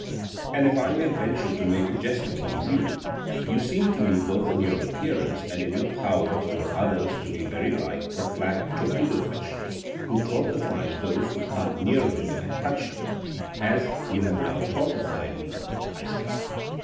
And if I may venture to make a jest upon you, you seem to me both in your appearance and in your power over others to be very like the flat torpedo fish, who torpifies those who come near him and touch him, as you have now torpified me, I think.